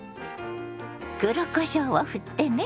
黒こしょうをふってね。